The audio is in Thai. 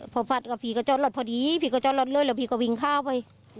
พอฟัดกับพี่ก็จอดรถพอดีพี่ก็จอดรถเลยแล้วพี่ก็วิ่งข้าวไป